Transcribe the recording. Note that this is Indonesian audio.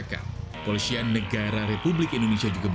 kepolisian negara republik indonesia